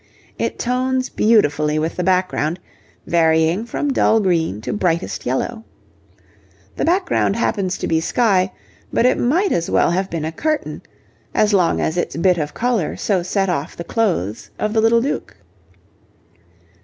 It tones beautifully with the background, varying from dull green to brightest yellow. The background happens to be sky, but it might as well have been a curtain, as long as its bit of colour so set off the clothes of the little Duke.